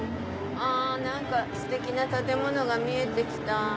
あ何かステキな建物が見えてきた。